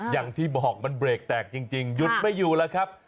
อย่างที่บอกมันเบรกแตกจริงหยุดไม่อยู่แล้วครับ